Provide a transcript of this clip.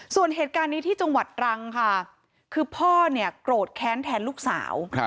ส่วนเหตุการณ์นี้ที่จังหวัดตรังค่ะคือพ่อเนี่ยโกรธแค้นแทนลูกสาว